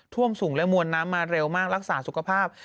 ท่วมสูงและมวลน้ำมาเร็วมากรักษาสุขภาพ